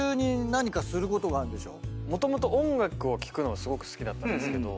もともと音楽を聴くのがすごく好きだったんですけど。